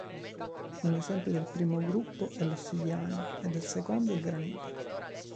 Un esempio del primo gruppo è l'ossidiana e del secondo il granito.